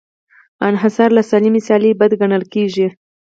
انحصار له سالمې سیالۍ بد ګڼل کېږي.